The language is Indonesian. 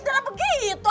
dan lah begitu